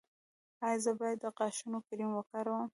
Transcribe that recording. ایا زه باید د غاښونو کریم وکاروم؟